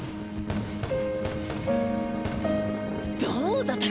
どうだ？